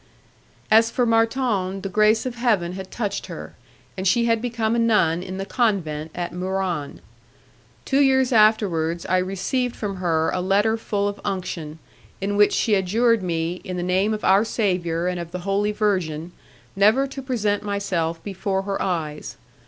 As for Marton, the grace of Heaven had touched her, and she had become a nun in the convent at Muran. Two years afterwards, I received from her a letter full of unction, in which she adjured me, in the name of Our Saviour and of the Holy Virgin, never to present myself before her eyes.